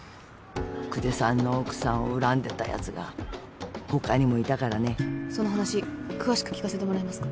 久世さんの奥さんを恨んでた奴が他にもいたからねその話詳しく聞かせてもらえますか？